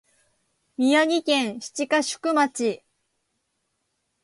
宮城県七ヶ宿町